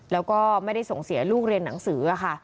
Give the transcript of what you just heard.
แล้วก็ไม่ได้ส่งเสียลูกเรียนหนังสือค่ะ